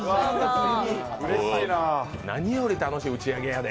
何より楽しい打ち上げやで。